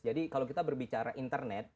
jadi kalau kita berbicara internet